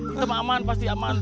kita aman pasti aman